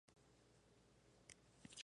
Pero Igor les atrapa en la sala y escapa.